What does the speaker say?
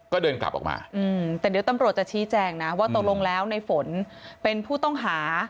ก็เดินกลับออกมาแต่เดี๋ยวตำรวจจะชี้แจงนะว่าตกลงแล้วในฝนเป็นผู้ต้องหา